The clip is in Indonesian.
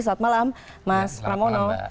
selamat malam mas pramuno